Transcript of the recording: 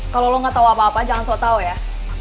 kalau lo nggak tahu apa apa jangan sok tau ya